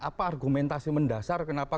apa argumentasi mendasar kenapa